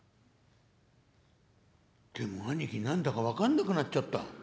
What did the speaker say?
「でも兄貴何だか分かんなくなっちゃった」。